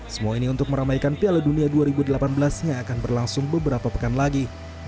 semua ini untuk meramaikan piala dunia dua ribu delapan belas yang akan berlangsung beberapa pekan lagi